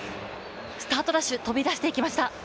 スタートダッシュ、飛び出していきました。